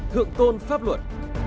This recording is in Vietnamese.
thượng tôn pháp luật